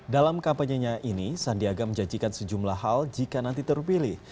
dalam kampanyenya ini sandiaga menjanjikan sejumlah hal jika nanti terpilih